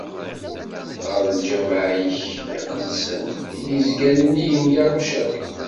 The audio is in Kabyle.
Ɣer lǧameɛ-ik iqedsen i d-izgan nnig n Yarucalim.